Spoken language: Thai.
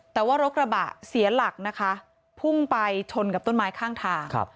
แต่ว่ารถกระบะเสียหลักนะคะพุ่งไปชนกับต้นไม้ข้างทาง